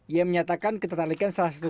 ia menyatakan ketatarlikan salah satu klub